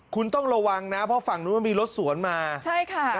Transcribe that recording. คุณต้องระวังนะเพราะฝั่งนู้นมันมีรถสวนมาใช่ค่ะ